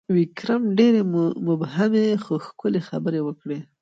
ویکرم ډېرې مبهمې، خو ښکلي خبرې وکړې: